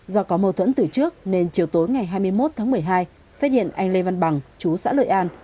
do có mâu thuẫn từ trước nên chiều tối ngày hai mươi một tháng một mươi hai phát hiện anh lê văn bằng chú xã lợi an